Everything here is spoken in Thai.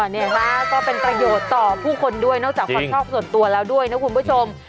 เห็นไหมก็เป็นประโยชน์ต่อผู้คนด้วยนอกจากความชอบส่วนตัวแล้วด้วยนะคุณผู้ชม